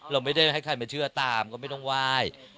เราไม่ได้ให้ใครมาเชื่อตามก็ไม่ต้องไหว้